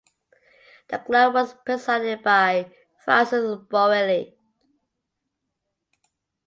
The club was presided by Francis Borelli.